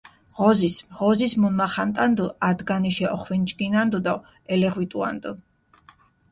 ღოზის, ღოზის მუნმახანტანდჷ, ართგანიშე ოხვინჯგინანდჷ დო ელეღვიტუანდჷ.